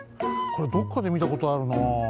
これどっかでみたことあるなあ。